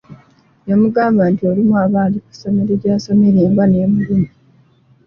Yamugamba nti olumu aba ali ku ssomero gy’asomesa embwa n'emulumba.